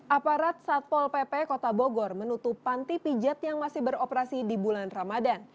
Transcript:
aparat satpol pp kota bogor menutup panti pijat yang masih beroperasi di bulan ramadan